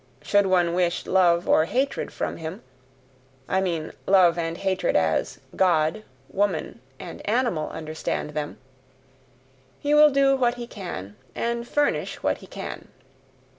Should one wish love or hatred from him I mean love and hatred as God, woman, and animal understand them he will do what he can, and furnish what he can.